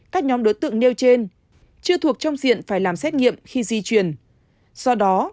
các nhóm đối tượng nêu trên chưa thuộc trong diện phải làm xét nghiệm khi di chuyển do đó